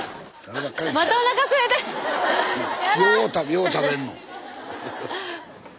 よう食べんの？